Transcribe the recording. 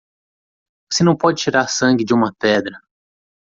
Você não pode tirar sangue de uma pedra.